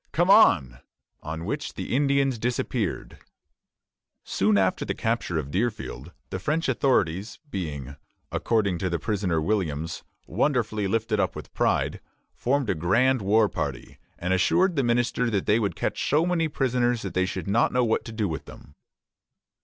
come on!" on which the Indians disappeared. Soon after the capture of Deerfield, the French authorities, being, according to the prisoner Williams, "wonderfully lifted up with pride," formed a grand war party, and assured the minister that they would catch so many prisoners that they should not know what to do with them.